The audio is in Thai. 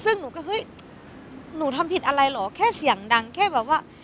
ซึ่งหนูก็เฮ้ยหนูทำผิดอะไรเหรอแค่เสียงดังแค่แบบว่า